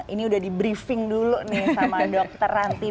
ini udah di briefing dulu nih sama dokter ranti